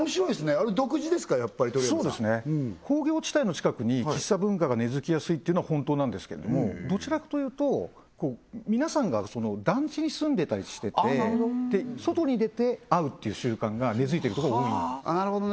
あれ独自ですかそうですね工業地帯の近くに喫茶文化が根付きやすいっていうのは本当なんですけれどもどちらかというと皆さんが団地に住んでたりしててあなるほど外に出て会うっていう習慣が根付いてるとこが多いなるほどね